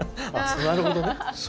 なるほどね。